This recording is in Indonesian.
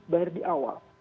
bayar di awal